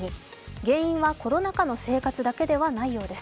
原因はコロナ禍の生活だけではないようです。